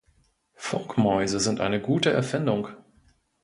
Funkmäuse sind eine gute Erfindung.